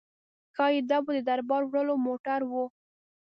ښايي دا به د بار وړلو موټر و.